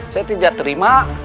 saya tidak terima